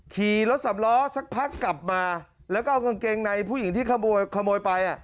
ขี่รถสำล้อสักพักกลับมาแล้วก็เอากางเกงในผู้หญิงที่ขโมยไป